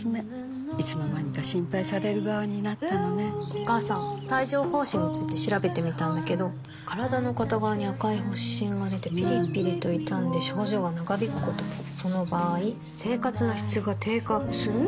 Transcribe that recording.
お母さん帯状疱疹について調べてみたんだけど身体の片側に赤い発疹がでてピリピリと痛んで症状が長引くこともその場合生活の質が低下する？